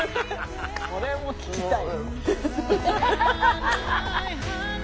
それも聞きたい。